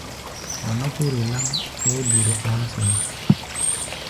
Wa nɔ́ kúri láŋ, ɓɛɛ́ biro a̧á̧ sɛnɛ́.